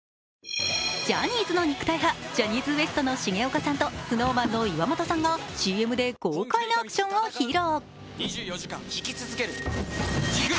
ジャニーズの肉体派、ジャニーズＷＥＳＴの重岡大毅さんとＳｎｏｗＭａｎの岩本さんがＣＭで豪快なアクションを披露。